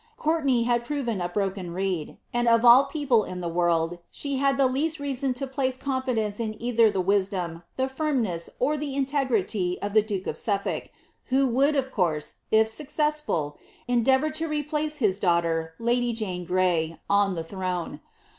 Courtenay had proved a broken reed ; and of all people in the world, she had the least reason to place confidence in either the wisdom, the firmness, or the iotcgrity of the duke of Sufifolk, who would, of course, if successful, endeavour to replace his daughter, lady Jane Gray, on the throne.